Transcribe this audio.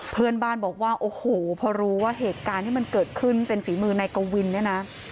เพื่อนบ้านบอกว่าโอ้โหพอรู้ว่าเหตุการณ์ที่มันเกิดขึ้นเป็นฝีมือนายกวินเนี่ยนะ